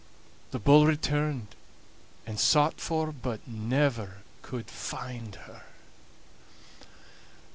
The bull returned and sought for but never could find her.